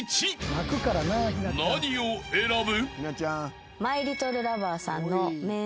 ［何を選ぶ？］